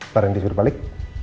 karen disuruh balik